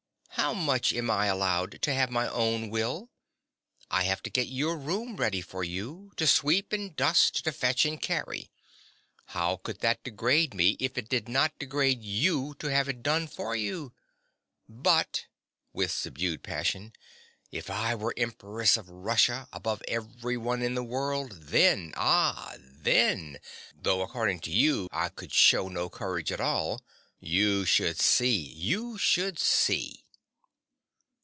how much am I allowed to have my own will? I have to get your room ready for you—to sweep and dust, to fetch and carry. How could that degrade me if it did not degrade you to have it done for you? But (with subdued passion) if I were Empress of Russia, above everyone in the world, then—ah, then, though according to you I could shew no courage at all; you should see, you should see.